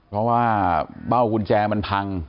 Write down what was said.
เพราะว่าเบ้ากุญแจมันพัง